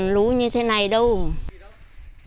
trận lũ đã khiến bà con nhân đau khổ